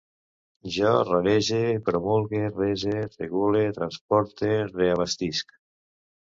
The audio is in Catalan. Jo rarege, promulgue, rese, regule, transpose, reabastisc